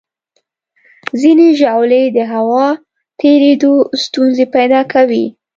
ځینې ژاولې د هوا تېرېدو ستونزې پیدا کوي.